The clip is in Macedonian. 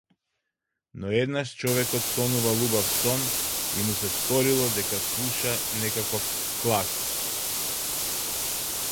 Но еднаш човекот сонувал убав сон и му се сторило дека слуша некаков клас.